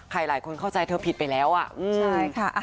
หลายคนเข้าใจเธอผิดไปแล้วอ่ะใช่ค่ะ